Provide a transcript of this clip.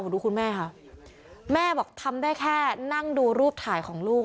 ดูคุณแม่ค่ะแม่บอกทำได้แค่นั่งดูรูปถ่ายของลูก